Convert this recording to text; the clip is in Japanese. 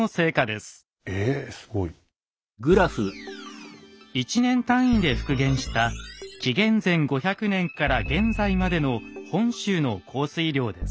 すごい！１年単位で復元した紀元前５００年から現在までの本州の降水量です。